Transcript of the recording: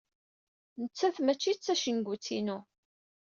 Nettat mačči d tacengut-inu.